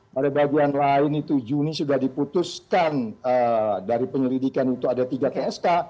pada bagian lain itu juni sudah diputuskan dari penyelidikan itu ada tiga tsk